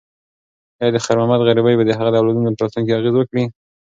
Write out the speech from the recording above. ایا د خیر محمد غریبي به د هغه د اولادونو په راتلونکي اغیز وکړي؟